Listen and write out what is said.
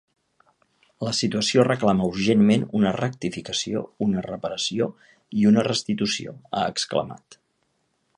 La situació reclama urgentment una rectificació, una reparació i una restitució, ha exclamat.